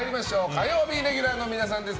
火曜日レギュラーの皆さんです。